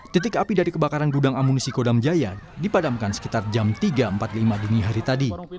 titik api dari kebakaran gudang amunisi kodam jaya dipadamkan sekitar jam tiga empat puluh lima dini hari tadi